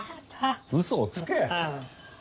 嘘をつけ！